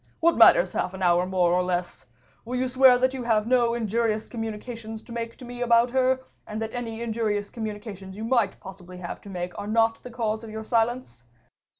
What matters half an hour more or less? Will you swear that you have no injurious communications to make to me about her, and that any injurious communications you might possibly have to make are not the cause of your silence?"